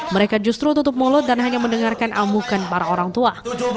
mereka justru tutup mulut dan hanya mendengarkan amukan para orang tua